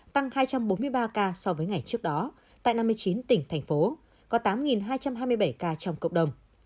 tăng hai trăm bốn mươi ba ca so với ngày trước đó tại năm mươi chín tỉnh thành phố có tám hai trăm hai mươi bảy ca trong cộng đồng